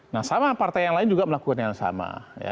nah sama partai yang lain juga melakukan yang sama